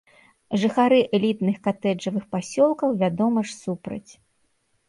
Жыхары элітных катэджавых пасёлкаў, вядома ж, супраць.